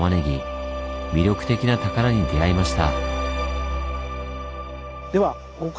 魅力的な宝に出会いました。